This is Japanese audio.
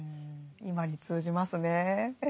今に通じますね。